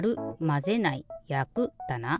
「まぜない」「やく」だな？